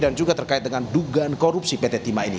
dan juga terkait dengan dugaan korupsi pt timah ini